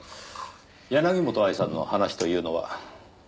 柳本愛さんの話というのは？